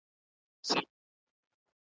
زوی یې وویل چټک نه سمه تللای .